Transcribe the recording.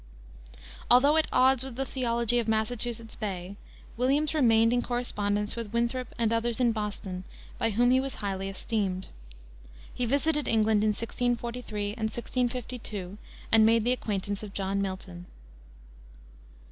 Although at odds with the theology of Massachusetts Bay, Williams remained in correspondence with Winthrop and others in Boston, by whom he was highly esteemed. He visited England in 1643 and 1652, and made the acquaintance of John Milton.